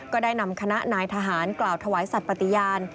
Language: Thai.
ก็ได้นำคณะนายทหารกล่าวถวายสัตว์ปฏิญาณ